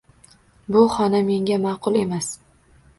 Bu xona menga ma’qul emas.